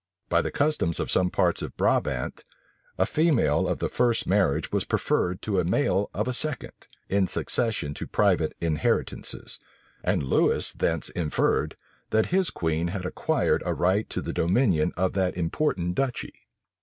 By the customs of some parts of Brabant, a female of a first marriage was preferred to a male of a second, in the succession to private inheritances; and Lewis thence inferred, that his queen had acquired a right to the dominion of that important duchy.